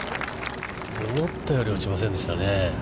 思ったより落ちませんでしたね。